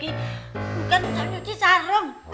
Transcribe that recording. bukan untuk nyuci sarung